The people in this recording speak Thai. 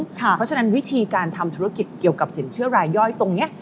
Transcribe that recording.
เพราะฉะนั้นวิธีการทำธุรกิจเกี่ยวกับสินเชื่อรายย่อยตรงนี้